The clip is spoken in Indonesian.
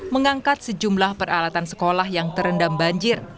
mengangkat sejumlah peralatan sekolah yang terendam banjir